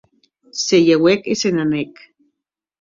Se lheuèc e se n'anèc.